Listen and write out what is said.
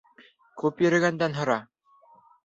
Күп йөрөгәндән һора.